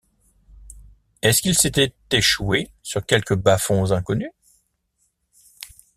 Est-ce qu’il s’était échoué sur quelque bas-fond inconnu?...